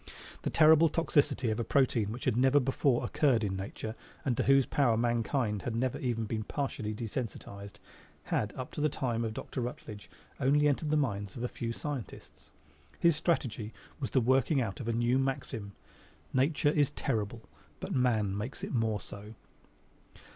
The terrible toxicity of a protein which had never before occurred in nature and to whose power mankind had never been even partially desensitized had up to the time of Dr. Rutledge only entered the minds of a few scientists. His strategy was the working out of a new maxim: Nature is terrible, but man makes it more so.